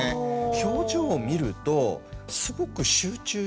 表情を見るとすごく集中している。